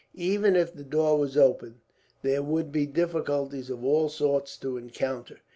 Even if the door were open, there would be difficulties of all sorts to encounter.